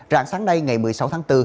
rạng sáng nay ngày một mươi sáu tháng bốn